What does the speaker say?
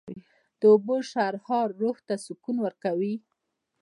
د اوبو شرهار روح ته سکون ورکوي